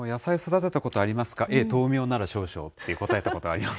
ええ、とうみょうなら少々って答えたことあります。